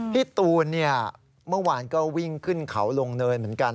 พี่ตูนเนี่ยเมื่อวานก็วิ่งขึ้นเขาลงเนินเหมือนกัน